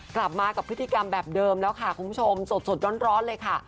กลับมากับพฤติกรรมแบบเดิมแล้วค่ะคุณผู้ชมสดร้อนเลยค่ะ